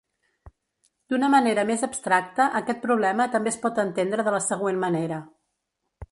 D'una manera més abstracta aquest problema també es pot entendre de la següent manera.